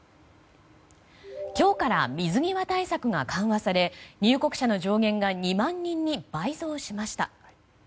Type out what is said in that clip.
今日から水際対策が緩和され入国者の上限が２万人に倍増しました。